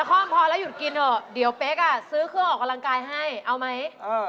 ข้องพอแล้วหยุดกินเถอะเดี๋ยวเป๊กอ่ะซื้อเครื่องออกกำลังกายให้เอาไหม